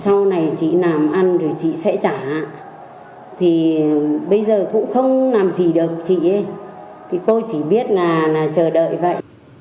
sau này chị làm ăn thì chị sẽ trả thì bây giờ cũng không làm gì được chị ấy thì cô chỉ biết là chờ đợi vậy